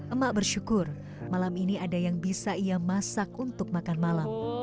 emak bersyukur malam ini ada yang bisa ia masak untuk makan malam